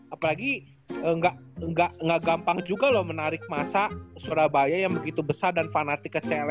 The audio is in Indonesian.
apalagi nggak gampang juga loh menarik masa surabaya yang begitu besar dan fanatik ke cewek